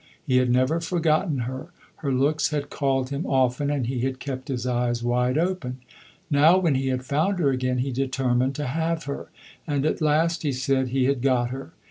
He had never forgotten her; her looks had called him often, and he had kept his eyes wide open. Now, when he had found her again, he determined to have her. And at last, he said, he had got her.